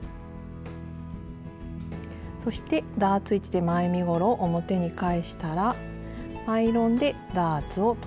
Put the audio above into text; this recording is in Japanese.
そしてダーツ位置で前身ごろを表に返したらアイロンでダーツを整えます。